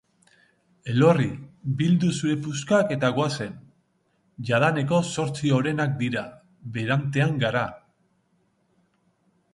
Elorri, bildu zure puskak eta goazen, jadaneko zortzi orenak dira, berantean gara!